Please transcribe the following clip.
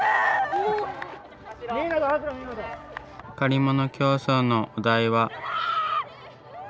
借り物競争のお題は。